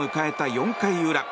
４回裏。